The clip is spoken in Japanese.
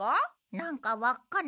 なんかわっかないか？